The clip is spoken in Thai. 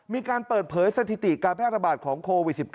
มีการเปิดเผยสถิติการแพร่ระบาดของโควิด๑๙